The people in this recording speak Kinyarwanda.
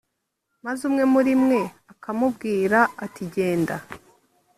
maze umwe muri mwe akamubwira ati genda